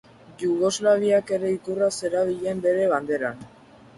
Jugoslaviak ere ikurra zerabilen bere banderan.